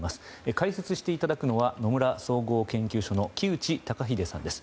解説していただくのは野村総合研究所の木内登英さんです。